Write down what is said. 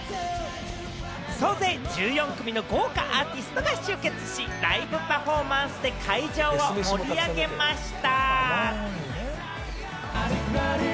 総勢１４組の豪華アーティストが集結し、ライブパフォーマンスで会場を盛り上げました。